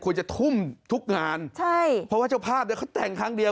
จะทุ่มทุกงานใช่เพราะว่าเจ้าภาพเนี่ยเขาแต่งครั้งเดียว